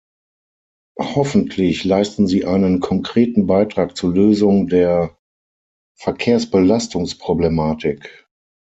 Hoffentlich leisten sie einen konkreten Beitrag zur Lösung der Verkehrsbelastungsproblematik.